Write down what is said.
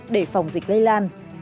để phòng dịch lây lan